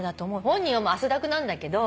本人は汗だくなんだけど。